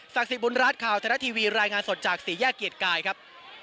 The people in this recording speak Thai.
ศักดิ์สิทธิ์บุญรัฐข่าวทะเละทีวีรายงานสดจากศรีแย่เกียรติกายครับ